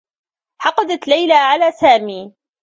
حقدت ليلى على سامي.